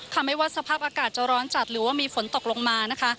ไม่ว่าสภาพอากาศจะร้อนจัดหรือว่ามีฝนตกลงมานะคะ